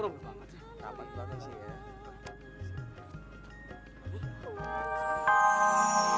rapat banget sih ya